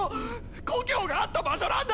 故郷があった場所なんだ！